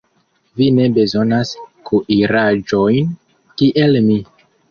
Vi ne bezonas kuiraĵojn, kiel mi.